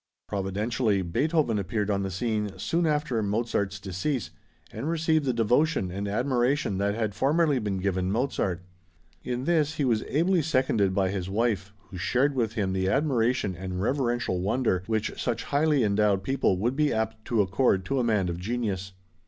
Providentially, Beethoven appeared on the scene soon after Mozart's decease, and received the devotion and admiration that had formerly been given Mozart. In this he was ably seconded by his wife, who shared with him the admiration and reverential wonder which such highly endowed people would be apt to accord to a man of genius.